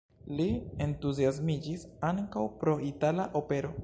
Li entuziasmiĝis ankaŭ pro itala opero.